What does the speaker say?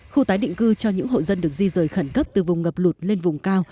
khu tái định cư cho những hộ dân được di rời khẩn cấp từ vùng ngập lụt lên vùng cao